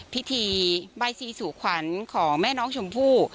ปีธีใบซีสู่ขวรของแม่น้องชมพู